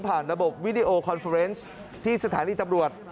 ระบบวิดีโอคอนเฟอร์เนสที่สถานีตำรวจ